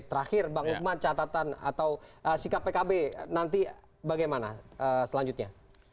terakhir bang lukman catatan atau sikap pkb nanti bagaimana selanjutnya